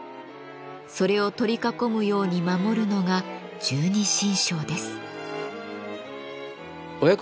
それを取り囲むように守るのが十二神将です。